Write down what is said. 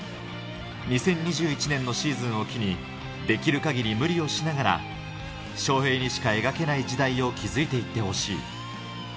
２０２１年のシーズンを機に、できるかぎり無理をしながら、翔平にしか描けない時代を築いていってほしい。